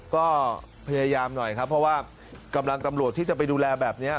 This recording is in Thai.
ก็พยายามหน่อยครับเพราะว่ากำลังตำรวจที่จะไปดูแลแบบนี้